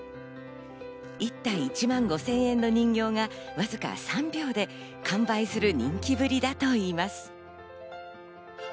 １体１万５０００円の人形が、わずか３秒で完売する人気ぶりだといいます。